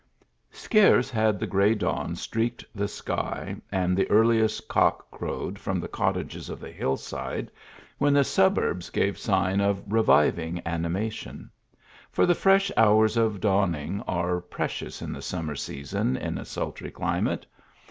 Scarce had the gray dawn streaked the sky and the earliest cock crowed from the cottages of the hill side, when the suburbs gave sign of reviving ani mation ; for the fresh hours of dawning are precious in the summer season in a sultry climate.